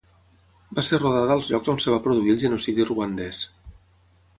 Va ser rodada als llocs on es va produir el genocidi ruandès.